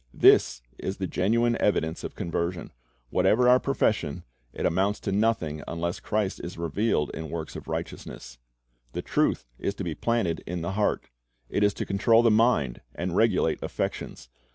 "' This is the genuine evidence of conversion. Whatever our profession, it amounts to nothing unless Christ is revealed in works of righteousness. The truth is to be planted in the heart. It is to control 1 I John 3 : 24 ; 2:3 314 Christ's Object Lessons the mind and regulate the affections.